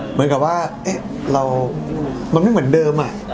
เหมือนกับว่าเรามันไม่เหมือนเดิม